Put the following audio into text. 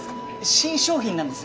新商品なんです。